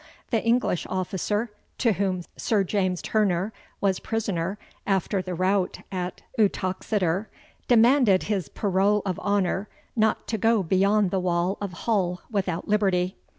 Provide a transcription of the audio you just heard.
The English officer, to whom Sir James Turner was prisoner after the rout at Uttoxeter, demanded his parole of honour not to go beyond the wall of Hull without liberty.